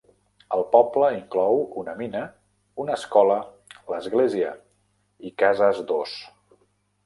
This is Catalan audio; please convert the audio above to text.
El poble inclou una mina, una escola, l'església i cases d'ós.